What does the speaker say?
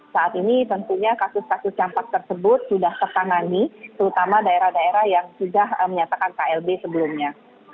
saat ini tentunya kasus kasus campak tersebut sudah tertangani terutama daerah daerah yang sudah menyatakan klb sebelumnya